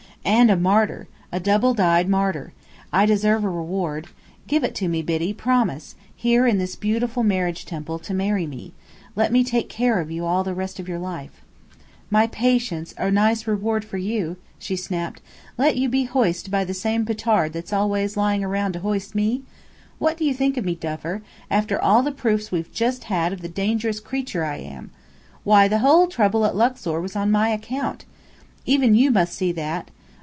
"And a martyr. A double dyed martyr. I deserve a reward. Give it to me, Biddy. Promise, here in this beautiful Marriage Temple, to marry me. Let me take care of you all the rest of your life." "My patience, a nice reward for you!" she snapped. "Let you be hoist by the same petard that's always lying around to hoist me! What do you think of me, Duffer and after all the proofs we've just had of the dangerous creature I am? Why, the whole trouble at Luxor was on my account. Even you must see that.